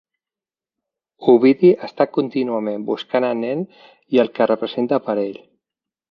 Ovidi està contínuament buscant el nen i el que representa per ell.